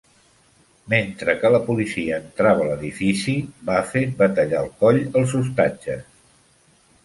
Mentre que al policia entrava a l'edifici, Buffet va tallar el coll als hostatges.